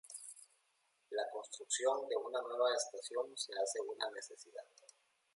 La construcción de una nueva estación se hace una necesidad.